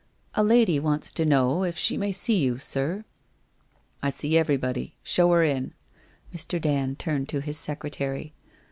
1 A lady wants to know if she may see you, sir ?'' I see everybody. Show her in.' Mr. Dand turned to his secretary.